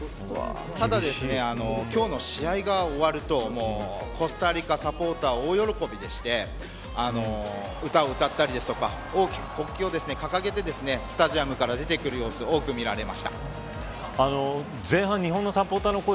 ただ今日の試合が終わるとコスタリカサポーターは大喜びでして歌を歌ったりですとか大きく国旗を掲げてスタジアムから出てくる様子前半、日本のサポーターの声